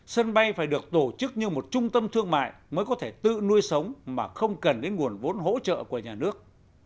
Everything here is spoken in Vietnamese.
sân bay phải được tổ chức như một trung tâm thương mại mới có thể tự nuôi sống mà không cần đến nguồn vốn hỗ trợ của nhà nước